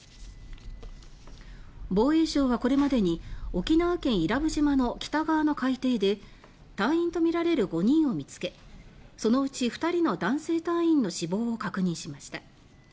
防衛省はこれまでに沖縄県・伊良部島の北側の海底で隊員とみられる５人を見つけそのうち２人の男性隊員の死亡を確認しました。